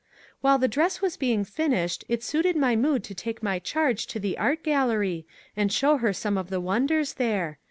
While the dress was being finished it suited my mood to take my charge to the art gallery, and show her some of the wonders there.